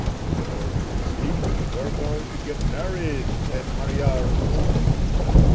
"For, you see, we're goin' to git married at Mariar's uncle's.